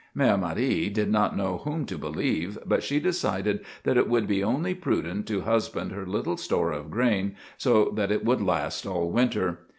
Mère Marie did not know whom to believe, but she decided that it would be only prudent to husband her little store of grain so that it would last all winter.